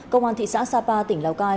công an thị xã sapa tỉnh lào cai